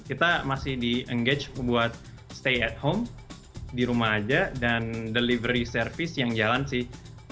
kita masih di engage buat stay at home di rumah aja dan delivery service yang jalan sih